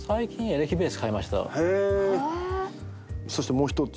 そしてもう１つ。